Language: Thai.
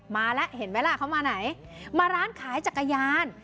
มาแล้วเห็นไหมล่ะเขามาไหนมาร้านขายจักรยาน